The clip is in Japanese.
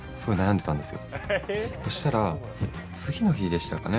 そしたら次の日でしたかね。